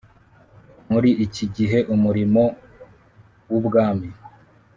muri iki gihe Umurimo w Ubwami